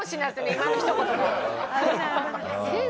今のひと言も。